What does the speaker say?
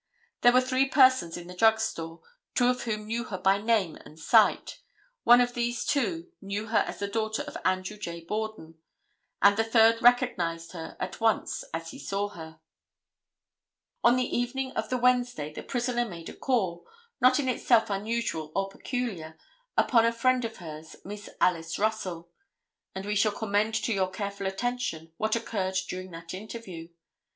There were three persons in the drug store, two of whom knew her by name and sight; one of these, too, knew her as the daughter of Andrew J. Borden, and the third recognized her at once as he saw her. [Illustration: NEW BEDFORD COURT HOUSE (OUTSIDE).] [Illustration: NEW BEDFORD COURT HOUSE (INSIDE).] On the evening of the Wednesday the prisoner made a call, not in itself unusual or peculiar, upon a friend of hers, Miss Alice Russell, and we shall commend to your careful attention what occurred during that interview.